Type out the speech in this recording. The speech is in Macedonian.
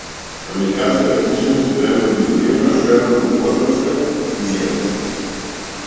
Американската книжевност е премногу изолирана, премногу островска, изјави.